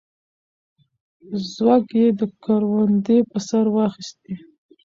زوږ یې کروندې په سر واخیستې.